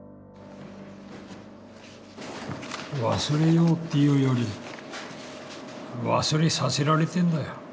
忘れようっていうより忘れさせられてんだよ。